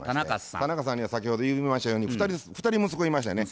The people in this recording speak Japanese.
田中さんには先ほど言いましたように２人息子いましてね。